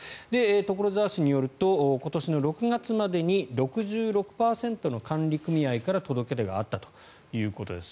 所沢市によると今年の６月までに６６％の管理組合から届け出があったということです。